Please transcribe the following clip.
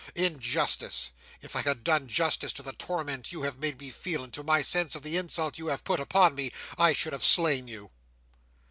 Injustice! If I had done justice to the torment you have made me feel, and to my sense of the insult you have put upon me, I should have slain you!"